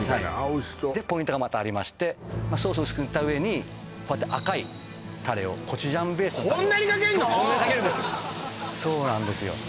おいしそうでポイントがまたありましてソースを薄く塗った上に赤いタレをコチュジャンベースのタレをそうこんなにかけるんですそうなんですよ